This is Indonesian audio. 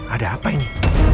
ada apa ini